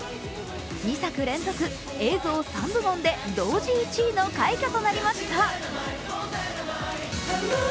２作連続、映像３部門で同時１位の快挙となりました。